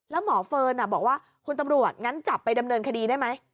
แล้วหมอเฟิร์นบอกว่าคุณตำรวจงั้นจับไปดำเนินคดีได้ไหม